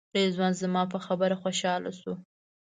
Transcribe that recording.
رضوان زما په خبره خوشاله شو.